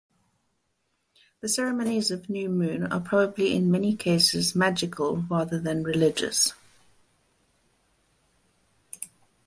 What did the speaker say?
The ceremonies of new moon are probably in many cases magical rather than religious.